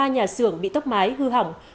ba nhà xưởng bị tóc mái hư hỏng